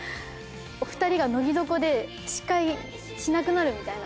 お２人が乃木坂ってどこ？で司会しなくなるみたいな。